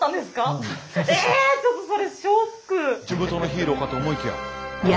地元のヒーローかと思いきや。